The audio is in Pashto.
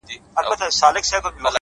د مرور روح د پخلا وجود کانې دي ته؛